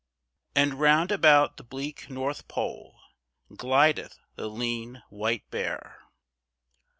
"And round about the bleak North Pole Glideth the lean, white bear."